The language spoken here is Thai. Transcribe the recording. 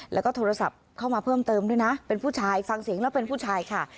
แล้วก็โทรศัพท์เข้ามาเพิ่มเติมด้วยนะเป็นผู้ชายฟังเสียงแล้วเป็นผู้ชายค่ะ